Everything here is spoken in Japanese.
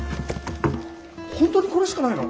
本当にこれしかないの？